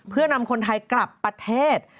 เพื่อนำคนไทยกลับประเทศ